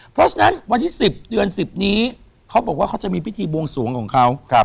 เพราะฉะนั้นวันที่๑๐เดือน๑๐นี้เขาบอกว่าเขาจะมีพิธีบวงสวงของเขา